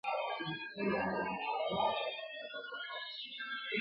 آس په زین او په سورلیو ښه ښکاریږي ..